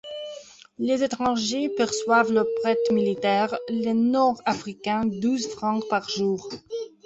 Les étrangers perçoivent le prêt militaire, les Nord-Africains douze francs par jour.